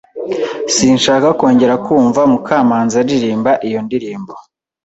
Sinshaka kongera kumva Mukamanzi aririmba iyo ndirimbo.